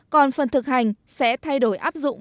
còn phần thực hành sẽ thay đổi áp dụng